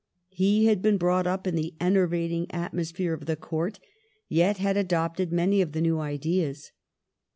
He had been brought up in the enervating atmosphere of the Court, yet had adopted many of the new ideas.